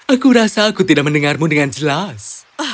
aku merasa aku tidak mendengarmu dengan jelas